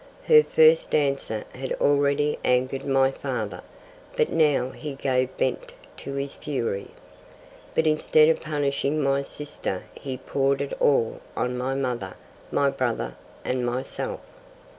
Her first answer had already angered my father, but now he gave vent to his fury. But instead of punishing my sister he poured it all on my mother, my brother, and myself.